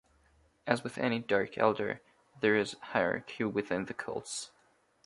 As with any Dark Eldar, there is hierarchy within the cults.